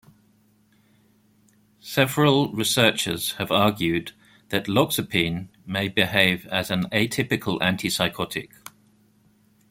Several researchers have argued that loxapine may behave as an atypical antipsychotic.